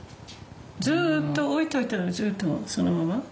ずっと置いといたらずっとそのまま？